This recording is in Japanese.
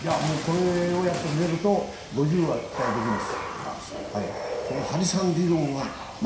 これをやってくれると５０は期待できます。